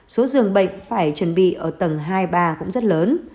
số dường bệnh phải chuẩn bị ở tầng hai ba cũng rất lớn